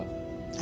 あ？